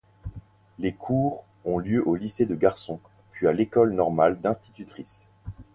Les cours ont lieu au lycée de garçons, puis à l’école normale d’institutrices.